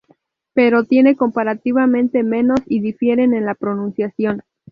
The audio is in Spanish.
Pero tiene comparativamente menos, y difieren en la pronunciación.